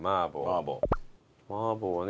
麻婆はね